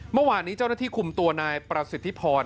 เมื่อวานนี้เจ้าหน้าที่คุมตัวนายประสิทธิพร